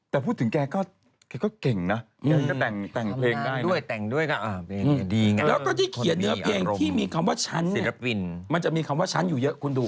ศิลปินมันจะมีคำว่าฝันอยู่เยอะคุณดู